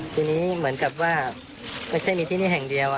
ทีนี้เหมือนกับว่าไม่ใช่มีที่นี่แห่งเดียว